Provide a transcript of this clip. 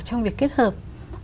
trong việc kết hợp